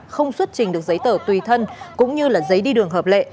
không xuất trình được giấy tờ tùy thân cũng như giấy đi đường hợp lệ